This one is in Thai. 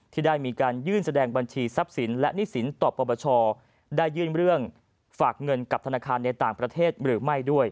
ที่ได้มีการยื่นแสดงบัญชีทรัพย์สินและหนี้สินต่อปปชได้ยื่นเรื่องฝากเงินกับธนาคารในต่างประเทศหรือไม่ด้วย